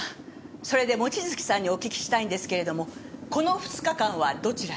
それで望月さんにお聞きしたいんですけれどもこの２日間はどちらに？